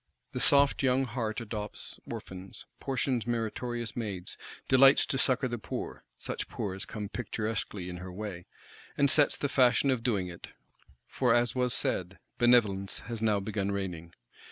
The soft young heart adopts orphans, portions meritorious maids, delights to succour the poor,—such poor as come picturesquely in her way; and sets the fashion of doing it; for as was said, Benevolence has now begun reigning.